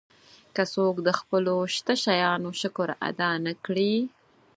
که څوک د خپلو شته شیانو شکر ادا نه کړي.